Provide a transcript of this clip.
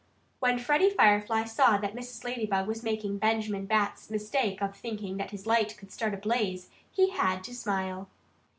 When Freddie Firefly saw that Mrs. Ladybug was making Benjamin Bat's mistake of thinking that his light could start a blaze, he had to smile.